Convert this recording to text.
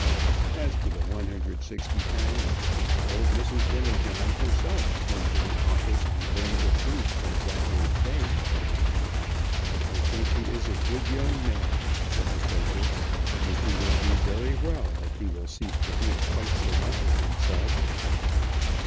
As to the £160, old Mrs. Demijohn herself went to the office, and learned the truth from Zachary Fay. "I think he is a good young man," said the Quaker, "and he will do very well if he will cease to think quite so much of himself."